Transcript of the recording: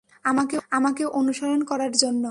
আমাকে অনুসরণ করার জন্য।